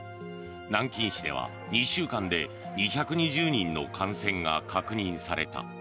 南京市では２週間で２２０人の感染が確認された。